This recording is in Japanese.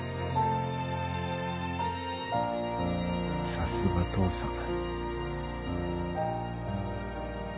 さすが父さん。